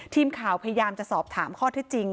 ทีมข่าวพยายามจะสอบถามข้อที่จริง